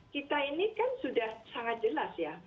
kita ini kan sudah sangat jelas ya